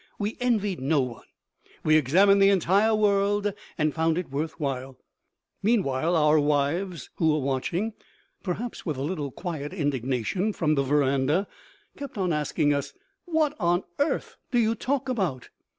We envied no one. We examined the entire world and found it worth while. Meanwhile our wives, who were watching (perhaps with a little quiet indignation) from the veranda, kept on asking us, "What on earth do you talk about?"